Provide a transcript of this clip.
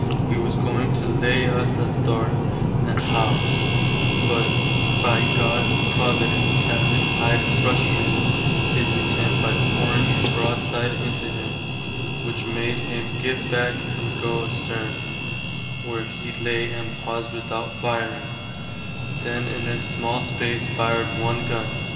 He was going to lay us athwart the hawse, but by God's providence Captain Hide frustrated his intent by pouring a broadside into him, which made him give back and goe asterne, where he lay and paused without fireing, then in a small space fired one gunn.